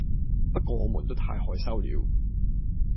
不過我們都太害羞了